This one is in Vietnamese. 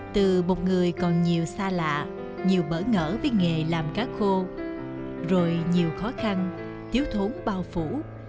từ một người còn nhiều xa lạ nhiều bỡ ngỡ với nghề làm cá khô rồi nhiều khó khăn thiếu thốn bao phủ